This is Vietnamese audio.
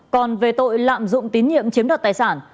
còn về tội lạm dụng tín nhiệm chiếm đoạt tài sản